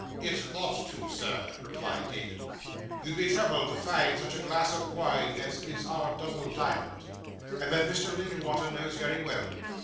'It ought to, sir,' replied David. 'You'd be troubled to find such a glass of wine as is our double diamond, and that Mr. Linkinwater knows very well.